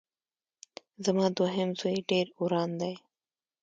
زما دوهم زوی ډېر وران دی